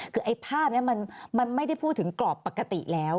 คือไอ้ภาพนี้มันไม่ได้พูดถึงกรอบปกติแล้ว